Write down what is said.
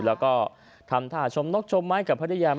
แล้วก็ทำท่าชมนกชมใหม่กับพระเจ้ายาน